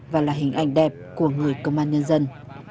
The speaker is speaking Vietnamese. và là hình ảnh đẹp của người công an nhân dân